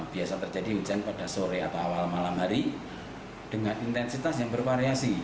biasa terjadi hujan pada sore atau awal malam hari dengan intensitas yang bervariasi